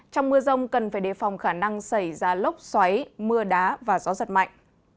trong mưa rông cần phải đề phòng khả năng xảy ra lốc xoáy mưa đá và gió giật mạnh